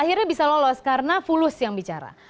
akhirnya bisa lolos karena fulus yang bicara